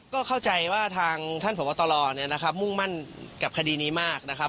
ก็เข้าใจว่าทางท่านผวัตรวรเนี่ยนะครับมุ่งมั่นกับคดีนี้มากนะครับ